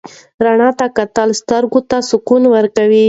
رڼا ته کتل سترګو ته سکون ورکوي.